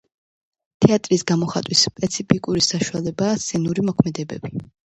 თეატრის გამოხატვის სპეციფიკური საშუალებაა სცენური მოქმედებები